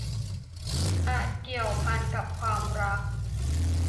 อาจเกี่ยวพันกับความรัก